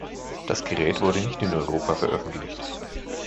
Das Gerät wurde nicht in Europa veröffentlicht.